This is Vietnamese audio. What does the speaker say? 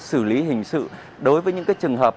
xử lý hình sự đối với những trường hợp